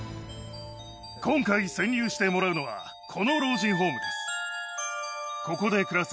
今回、潜入してもらうのは、この老人ホームです。